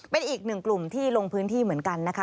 เป็นอีกหนึ่งกลุ่มที่ลงพื้นที่เหมือนกันนะคะ